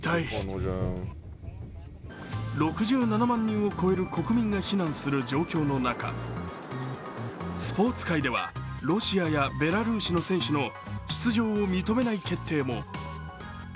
６７万人を超える国民が避難する状況の中、スポーツ界ではロシアやベラルーシの選手の出場を認めない決定も。